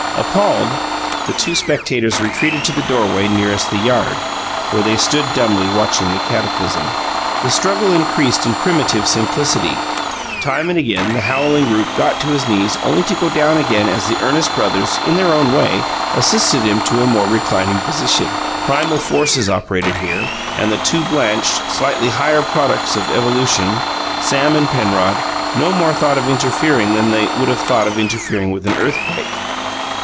Appalled, the two spectators retreated to the doorway nearest the yard, where they stood dumbly watching the cataclysm. The struggle increased in primitive simplicity: time and again the howling Rupe got to his knees only to go down again as the earnest brothers, in their own way, assisted him to a more reclining position. Primal forces operated here, and the two blanched, slightly higher products of evolution, Sam and Penrod, no more thought of interfering than they would have thought of interfering with an earthquake.